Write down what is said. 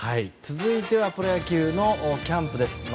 続いてはプロ野球のキャンプです。